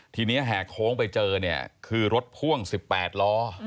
ทีนี้แห่โค้งไปเจอเนี่ยคือรถพ่วง๑๘ล้อ